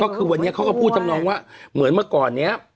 ก็คือวันนี้เขาก็พูดทำนองว่าเหมือนเมื่อก่อนนี้